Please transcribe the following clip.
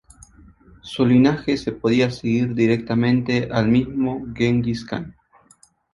Su linaje se podía seguir directamente al mismo Gengis Kan.